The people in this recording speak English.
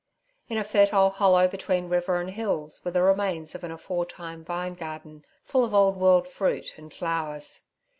In a fertile hollow between river and hills were the remains of an aforetime vine garden, full of old world fruit and flowers.